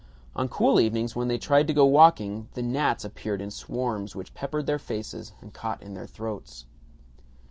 On cool evenings, when they tried to go walking, the gnats appeared in swarms which peppered their faces and caught in their throats.